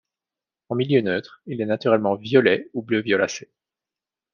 En milieu neutre il est naturellement violet ou bleu violacé.